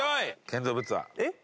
建造物は？えっ？